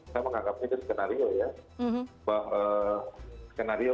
saya menganggap ini skenario ya